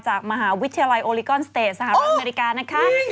จากมหาวิทยาลัยโอลิกอนสเตสหรัฐอเมริกานะคะ